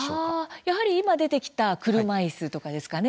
やはり今、出てきた車いすとかですかね。